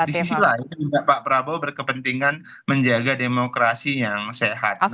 di sisi lain juga pak prabowo berkepentingan menjaga demokrasi yang sehat